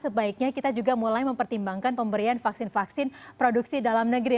sebaiknya kita juga mulai mempertimbangkan pemberian vaksin vaksin produksi dalam negeri